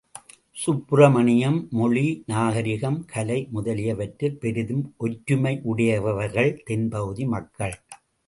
சுப்பிரமணியம் மொழி, நாகரிகம், கலை முதலியவற்றில் பெரிதும் ஒற்றுமையுடையவர்கள் தென் பகுதி மக்கள்.